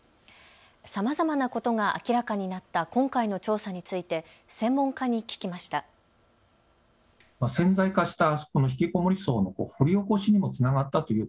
さまざまなことことが明らかになった今回の調査について専門家に聞きました。